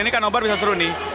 ini kan nobar bisa seru nih